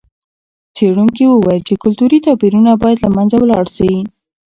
څېړونکي وویل چې کلتوري توپیرونه باید له منځه ولاړ سي.